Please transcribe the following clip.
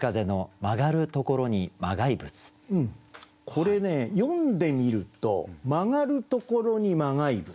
これね読んでみると「曲がるところに磨崖仏」。